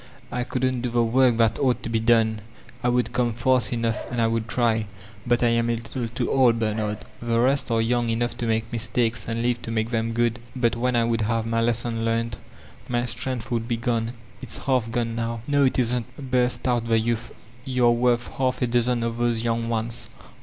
I couldn't do the work that ought to be done. I would come fast enough and I wouM try. But Vm a little too old, Bernard. The rest are young enough to make mistakes and live to make them good; but when I would have my lesson learned, my strength would be gone. It's half gone now." •*No, it isn't," burst out the youth. 'Tou're worth half a dozen of those young ones.